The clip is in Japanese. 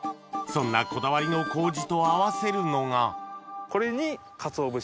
そんなこだわりの麹と合わせるのがえ？